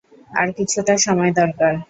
আর কিছুটা সময় দরকার!